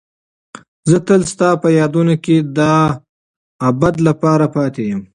زه تل ستا په یادونو کې د ابد لپاره پاتې یم.